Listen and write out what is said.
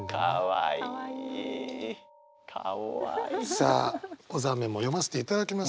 さあ小沢メモ読ませていただきます。